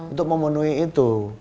untuk memenuhi itu